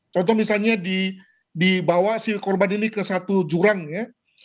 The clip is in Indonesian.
contoh misalnya dibawa si korban ini ke satu jurang ya